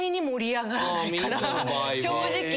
正直。